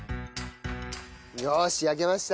よし焼けました。